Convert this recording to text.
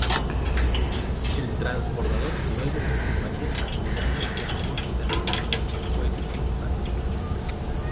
El Transbordador luego continuaría acelerando hacia su órbita con sus cohetes principales.